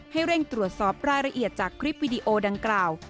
ให้เร่งตรวจสอบรายละเอียดจากคลิปวิดีโอดังกล่าว